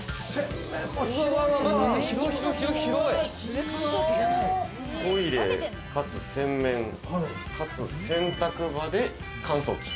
トイレかつ洗面かつ洗濯場で乾燥機。